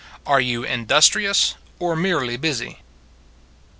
ARE YOU INDUSTRIOUS, OR MERELY BUSY?